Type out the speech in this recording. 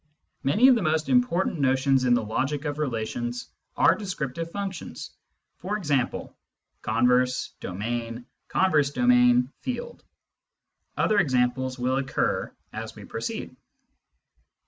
Many of the most important notions in the logic of relations are descriptive functions, for example : converse, domain, con verse domain, field. Other examples will occur as we proceed.